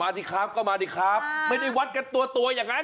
ดีครับก็มาดีครับไม่ได้วัดกันตัวตัวอย่างนั้น